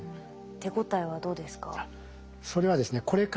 手応えはどうですか？